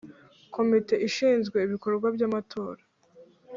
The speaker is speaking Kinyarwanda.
Komite ishinzwe ibikorwa by amatora